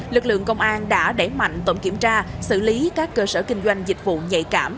lực lượng công an đã đẩy mạnh tổng kiểm tra xử lý các cơ sở kinh doanh dịch vụ nhạy cảm